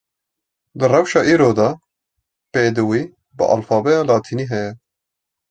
Di rewşa îro de, pêdivî bi alfabêya latînî heye